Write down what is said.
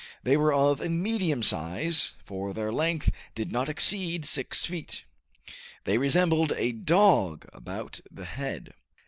They were of a medium size, for their length did not exceed six feet. They resembled a dog about the head.